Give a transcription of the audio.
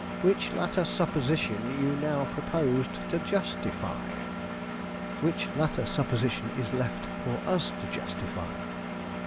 "Which latter supposition you now propose to justify!" "Which latter supposition it is left for us to justify."